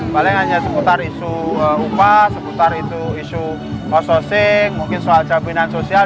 paling hanya seputar isu upah seputar itu isu outsourcing mungkin soal jaminan sosial